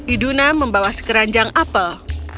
iduna membawa sekeranjang apel